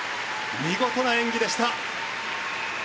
見事な演技でした。